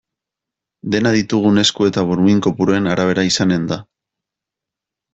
Dena ditugun esku eta burmuin kopuruen arabera izanen da.